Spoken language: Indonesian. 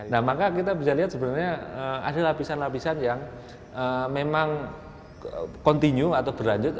nah maka kita bisa lihat sebenarnya ada lapisan lapisan yang memang continue atau berlanjut